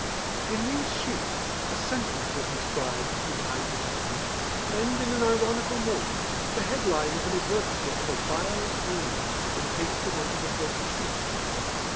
In these sheets a sentence was inscribed from time to time and, in an ironical moment, the headline of an advertisement for Bile Beans had been pasted on to the first sheet.